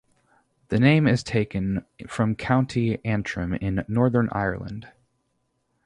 The name is taken from County Antrim in Northern Ireland.